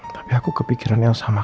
tapi aku kepikiran yang sama